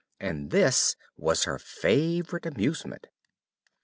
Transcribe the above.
And this was her favourite amusement.